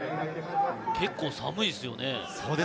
結構、寒いですよね。